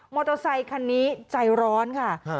อเตอร์ไซคันนี้ใจร้อนค่ะ